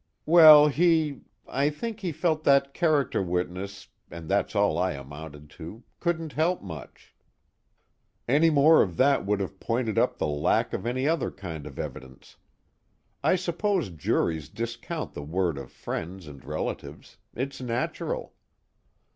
"Well, he I think he felt that character witnesses and that's all I amounted to couldn't help much. Any more of that would have pointed up the lack of any other kind of evidence. I suppose juries discount the word of friends and relatives; it's natural."